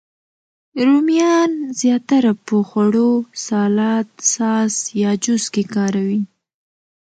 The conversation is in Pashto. رومیان زیاتره په خوړو، سالاد، ساس، یا جوس کې کاروي